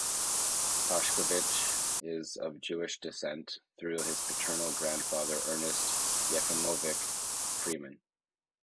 Pashkevich is of Jewish descent through his paternal grandfather Ernest Yefimovich Freimann.